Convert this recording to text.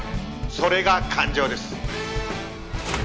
それが感情です